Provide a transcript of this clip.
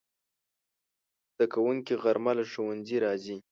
زدهکوونکي غرمه له ښوونځي راځي